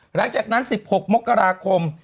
หลังจากนั้น๑๖มกราคม